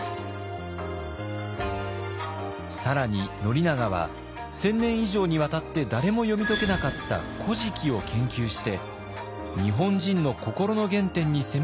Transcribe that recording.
更に宣長は１，０００年以上にわたって誰も読み解けなかった「古事記」を研究して日本人の心の原点に迫ろうとしました。